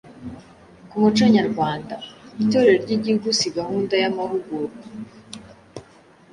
ku muco nyarwanda. Itorero ry’Igihugu si gahunda y’amahugurwa